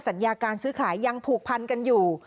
สัญญาการซื้อขายยังผูกพันกันอยู่